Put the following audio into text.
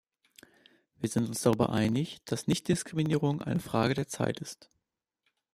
Wir sind uns darüber einig, dass Nichtdiskriminierung eine Frage der Zeit ist.